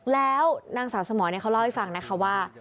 แล้วนางสาวสมรคำวิเศษเล่าให้ฟังว่า